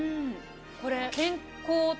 これ。